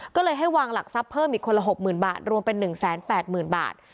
ก็เลยให้วางหลักทรัพย์เพิ่มอีกคนละหกหมื่นบาทรวมเป็นหนึ่งแสนแปดหมื่นบาท